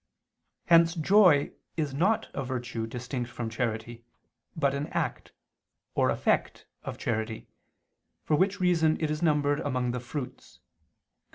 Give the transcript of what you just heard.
Hence joy is not a virtue distinct from charity, but an act, or effect, of charity: for which reason it is numbered among the Fruits (Gal.